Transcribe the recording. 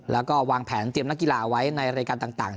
แล้วก็วางแผนเตรียมนักกีฬาไว้ในรายการต่าง